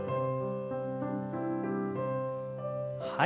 はい。